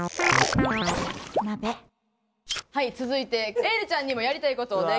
はい続いてｅｉｌｌちゃんにもやりたいことをね